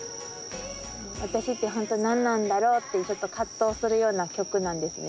「私ってホント何なんだろう？」ってちょっと葛藤するような曲なんですね。